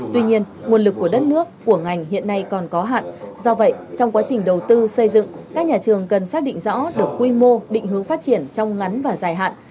tuy nhiên nguồn lực của đất nước của ngành hiện nay còn có hạn do vậy trong quá trình đầu tư xây dựng các nhà trường cần xác định rõ được quy mô định hướng phát triển trong ngắn và dài hạn